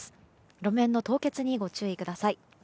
路面の凍結にご注意ください。